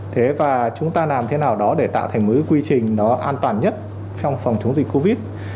thế và chúng ta làm thế nào đó để tạo thành một quy trình nó an toàn nhất trong phòng chống dịch covid